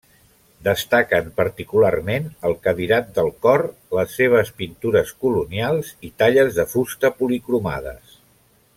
Destaquen particularment el cadirat del cor, les seves pintures colonials i talles de fusta policromades.